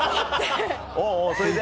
おぉおぉそれで？